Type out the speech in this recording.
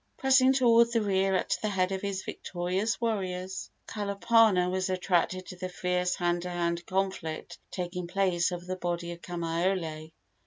Pressing toward the rear at the head of his victorious warriors, Kalapana was attracted to the fierce hand to hand conflict taking place over the body of Kamaiole.